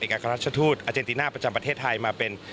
อาคารราชทูตอาเจนติน่าประจำประเทศไทยมาเป็น